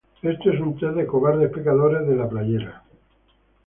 Esto es un test de cobardes pecadores de la playera